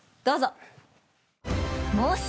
どうぞ。